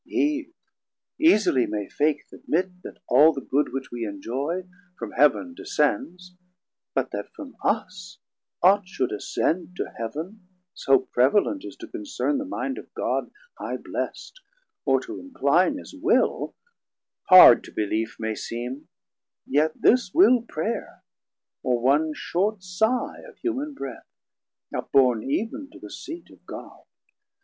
140 Eve, easily may Faith admit, that all The good which we enjoy, from Heav'n descends But that from us ought should ascend to Heav'n So prevalent as to concerne the mind Of God high blest, or to incline his will, Hard to belief may seem; yet this will Prayer, Or one short sigh of humane breath, up borne Ev'n to the Seat of God.